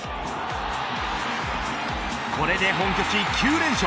これで本拠地９連勝。